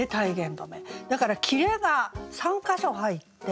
だから切れが３か所入って。